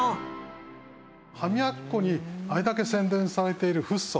歯みがき粉にあれだけ宣伝されているフッ素。